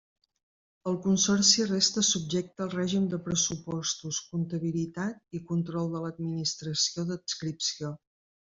El Consorci resta subjecte al règim de pressupostos, comptabilitat i control de l'Administració d'adscripció.